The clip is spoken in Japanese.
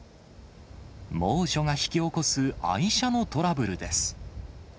猛暑が引き起こす愛車のトラブルです。